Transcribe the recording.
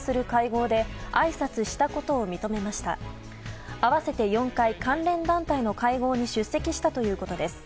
合わせて４回、関連団体の会合に出席したということです。